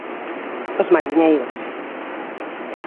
Os mariñeiros.